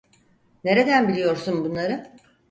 Nereden biliyorsun bunları?